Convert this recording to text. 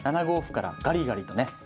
７五歩からガリガリとね